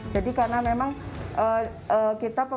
jadi karena memang kita